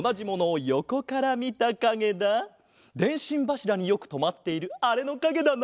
でんしんばしらによくとまっているあれのかげだな。